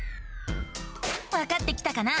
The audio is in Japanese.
わかってきたかな？